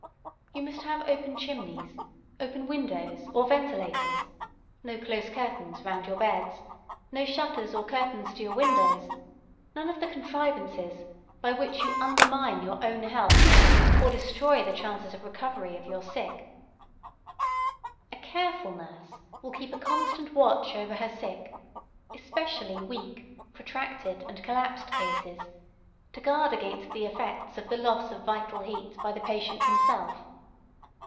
You must have open chimneys, open windows, or ventilators; no close curtains round your beds; no shutters or curtains to your windows, none of the contrivances by which you undermine your own health or destroy the chances of recovery of your sick. [Sidenote: When warmth must be most carefully looked to.] A careful nurse will keep a constant watch over her sick, especially weak, protracted, and collapsed cases, to guard against the effects of the loss of vital heat by the patient himself.